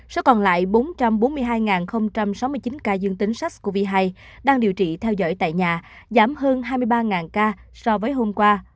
số còn lại bốn trăm bốn mươi hai sáu mươi chín ca dương tính sars cov hai đang điều trị theo dõi tại nhà giảm hơn hai mươi ba ca so với hôm qua